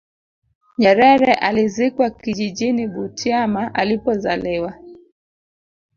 nyerere alizikwa kijijini butiama alipozaliwa